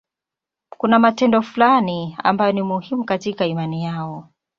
Kuna matendo fulani ambayo ni muhimu katika imani hiyo.